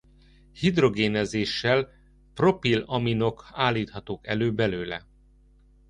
Hidrogénezéssel propil-aminok állíthatók elő belőle.